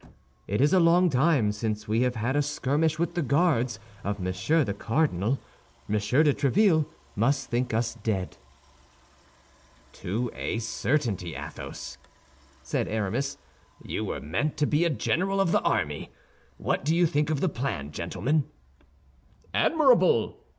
It is a long time since we have had a skirmish with the Guards of Monsieur the Cardinal; Monsieur de Tréville must think us dead." "To a certainty, Athos," said Aramis, "you were meant to be a general of the army! What do you think of the plan, gentlemen?" "Admirable!"